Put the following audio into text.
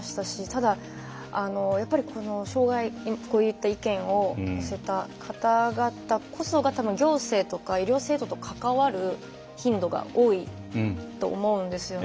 ただこういった意見を寄せた方々こそが多分行政とか医療制度とかかわる頻度が多いと思うんですよね。